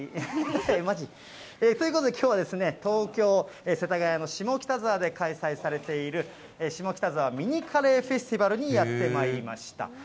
まじ？ということで、きょうは東京・世田谷の下北沢で開催されている、下北沢ミニカレーフェスティバルにやってまいりました。